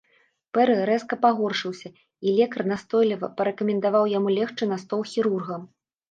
Пэры рэзка пагоршыўся, і лекар настойліва парэкамендаваў яму легчы на стол хірурга.